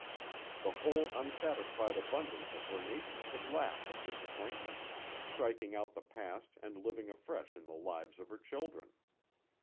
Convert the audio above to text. The whole unsatisfied abundance of her nature could laugh at disappointment, striking out the past and living afresh in the lives of her children.